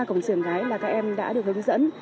cổng trường gái là các em đã được hướng dẫn